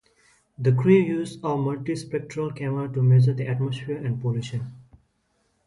The crew used a mulispectral camera to measure the atmosphere and pollution.